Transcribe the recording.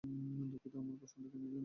দুঃখিত, আপনার প্রশ্নটা যেন কী ছিল?